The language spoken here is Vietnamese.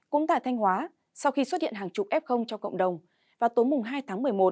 cũng tại thanh hóa sau khi xuất hiện hàng chục f trong cộng đồng vào tối mùng hai tháng một mươi một